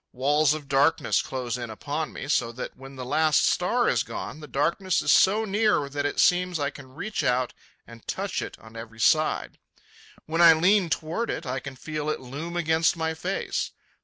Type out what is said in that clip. Walls of darkness close in upon me, so that, when the last star is gone, the darkness is so near that it seems I can reach out and touch it on every side. When I lean toward it, I can feel it loom against my face.